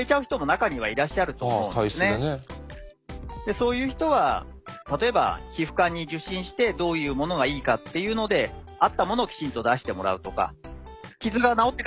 そういう人は例えば皮膚科に受診してどういうものがいいかっていうので合ったものをきちんと出してもらうとか傷が治ってから塗るとか。